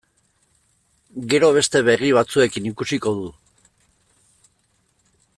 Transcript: Gero beste begi batzuekin ikusiko du.